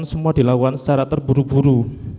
semua dilakukan secara terburu buru